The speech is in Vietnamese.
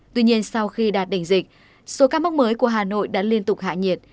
tuy nhiên sau khi đạt đỉnh dịch số ca mắc mới của hà nội đã liên tục hạ nhiệt